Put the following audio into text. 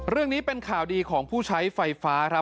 เรื่องนี้เป็นข่าวดีของผู้ใช้ไฟฟ้าครับ